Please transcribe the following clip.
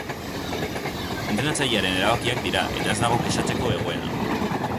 Entrenatzailearen erabakiak dira eta ez nago kexatzeko egoeran.